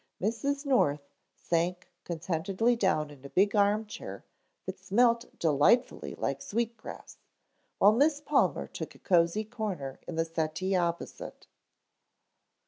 Mrs. North sank contentedly down in a big armchair that smelt delightfully like sweet grass, while Miss Palmer took a cozy corner in the settee opposite.